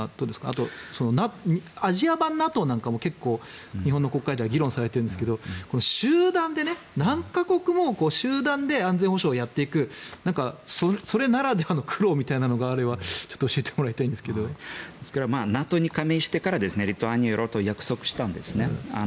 あと、アジア版ＮＡＴＯなんかも日本の国会では議論されてるんですが集団で、何か国も安全保障をやっていくそれならではの苦労みたいなのがあればＮＡＴＯに加盟してからリトアニアは約束したんですね。